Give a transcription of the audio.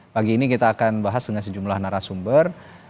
pagi ini kita akan bahas dengan sejumlah narasumber